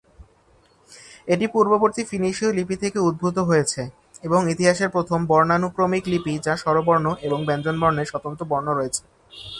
এটি পূর্ববর্তী ফিনিশীয় লিপি থেকে উদ্ভূত হয়েছে, এবং ইতিহাসের প্রথম বর্ণানুক্রমিক লিপি যা স্বরবর্ণ এবং ব্যঞ্জনবর্ণের স্বতন্ত্র বর্ণ রয়েছে।